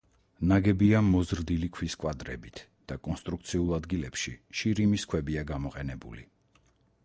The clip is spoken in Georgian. ნაგებია მოზრდილი ქვის კვადრებით და კონსტრუქციულ ადგილებში შირიმის ქვებია გამოყენებული.